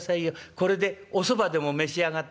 これでおそばでも召し上がってねっ。